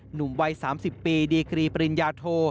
หนุ่มวัย๓๐ปีดีกรีปริญญาโท